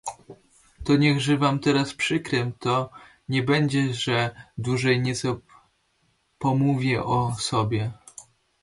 "Niechże wam teraz przykrem to nie będzie, Że dłużej nieco pomówię o sobie."